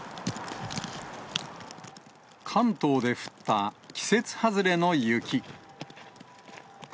関東で降った季節外れの雪。